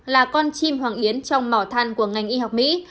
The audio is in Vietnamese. là con chim hoàng yến trong mỏ than của ngành y học mỹ